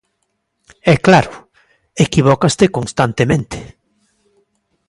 E claro, equivócaste constantemente.